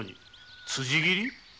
辻斬り。